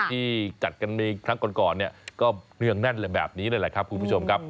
ที่จัดการมีทั้งก่อนก็เนื่องแน่นแบบนี้เลยครับคุณผู้ชมครับ